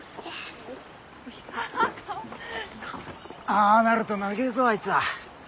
ああなると長えぞあいつは。